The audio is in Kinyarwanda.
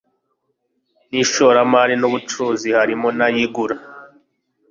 n ishoramari n ubucuruzi harimo n ay igura